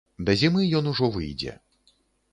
Да зімы ён ужо выйдзе.